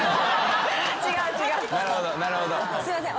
すいません